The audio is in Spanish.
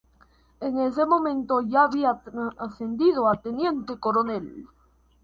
En ese momento, ya había ascendido a Teniente Coronel.